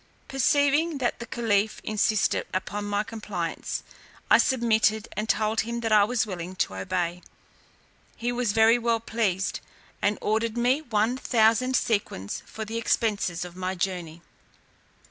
Perceiving that the caliph insisted upon my compliance, I submitted, and told him that I was willing to obey. He was very well pleased, and ordered me one thousand sequins for the expences of my journey.